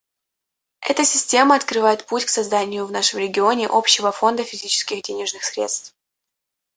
Эта система открывает путь к созданию в нашем регионе общего фонда физических денежных средств.